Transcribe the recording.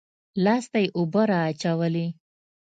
لاس ته يې اوبه رااچولې.